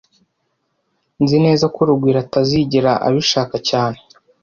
Nzi neza ko Rugwiro atazigera abishaka cyane